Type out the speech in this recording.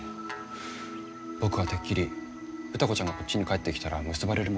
僕はてっきり歌子ちゃんがこっちに帰ってきたら結ばれるものだと。